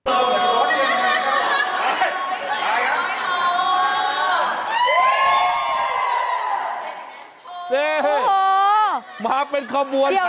โอ้โหมาเป็นข้อมูลขันหมาก